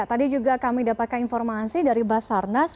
kartunci juga kami dapat pau informasi dari basarnas